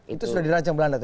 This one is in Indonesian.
itu sudah dirancang belanda